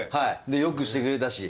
でよくしてくれたし。